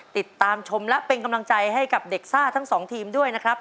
ติดตามชมและเป็นกำลังใจให้กับเด็กซ่าทั้งสองทีมด้วยนะครับ